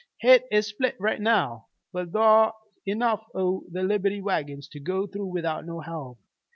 Hit is split right now. But thar's enough o' the Liberty wagons to go through without no help.